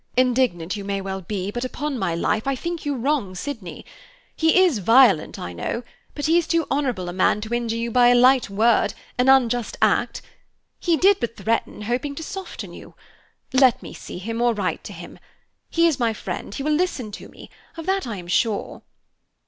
Indignant you may well be, but, upon my life, I think you wrong Sydney. He is violent, I know, but he is too honorable a man to injure you by a light word, an unjust act. He did but threaten, hoping to soften you. Let me see him, or write to him. He is my friend; he will listen to me. Of that I am sure."